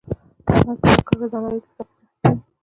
احمد په هر کار کې ځان علي ته سخی سخی کوي.